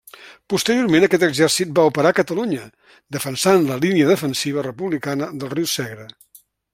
Posteriorment aquest exèrcit va operar a Catalunya, defensant la línia defensiva republicana del riu Segre.